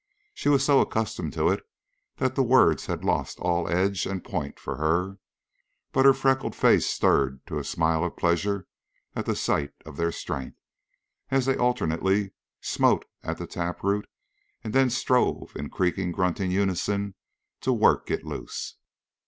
She was so accustomed to it that the words had lost all edge and point for her; but her freckled face stirred to a smile of pleasure at the sight of their strength, as they alternately smote at the taproot and then strove in creaking, grunting unison to work it loose.